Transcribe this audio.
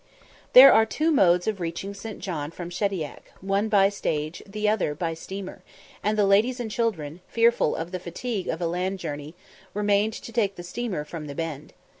There are two modes of reaching St. John from Shediac, one by stage, the other by steamer; and the ladies and children, fearful of the fatigue of a land journey, remained to take the steamer from the Bend.